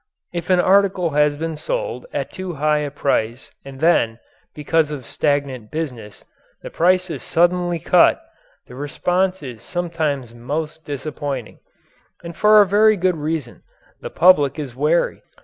If an article has been sold at too high a price and then, because of stagnant business, the price is suddenly cut, the response is sometimes most disappointing. And for a very good reason. The public is wary.